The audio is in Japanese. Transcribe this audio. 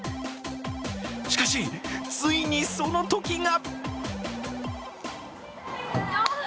しかし、ついにその時が！